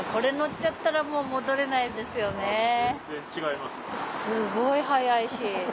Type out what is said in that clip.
すごい速いし。